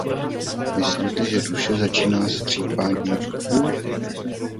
Myslíte, že duše začíná skřípáním zubů?